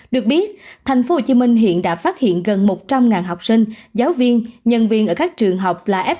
được biết tp hcm hiện đã phát hiện gần một trăm linh học sinh giáo viên nhân viên ở các trường học là f một